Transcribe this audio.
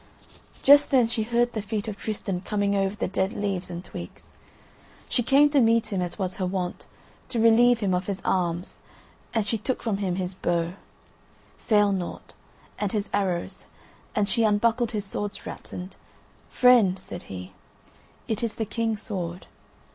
…" Just then she heard the feet of Tristan coming over the dead leaves and twigs. She came to meet him, as was her wont, to relieve him of his arms, and she took from him his bow, "Failnaught," and his arrows, and she unbuckled his sword straps. And, "Friend," said he, "it is the King's sword.